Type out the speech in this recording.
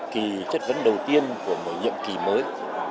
kỳ chất vấn đầu tiên của một nhiệm kỳ mới